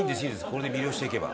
これで魅了していけば。